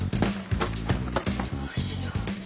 どうしよう。